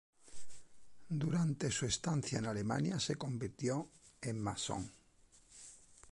Durante su estancia en Alemania se convirtió en masón.